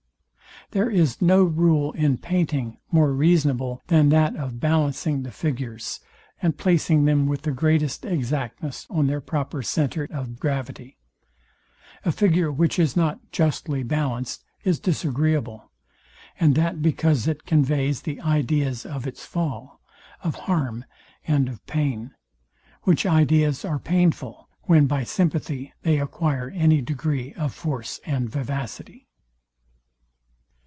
There is no rule in painting more reasonable than that of ballancing the figures, and placing them with the greatest exactness on their proper centers of gravity. A figure, which is not justly ballanced, is disagreeable; and that because it conveys the ideas of its fall, of harm, and of pain: Which ideas are painful, when by sympathy they acquire any degree of force and vivacity.